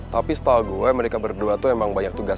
tapi bibi suruh tunggu dulu